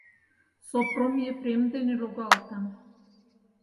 Сопром Епрем дене лугалтын.